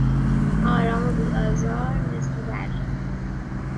آرام و بی آزار مثل بره